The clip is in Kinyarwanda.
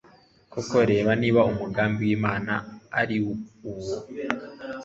koko rero niba umugambi w'imana ari uwo